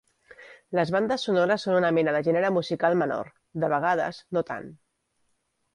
Les bandes sonores són una mena de gènere musical menor. De vegades, no tant.